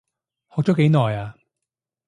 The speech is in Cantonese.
學咗幾耐啊？